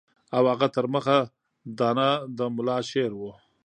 او هغه تر مخه دانه د ملا شعر وو.